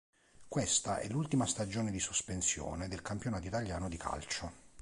Questa è l'ultima stagione di sospensione del campionato italiano di calcio.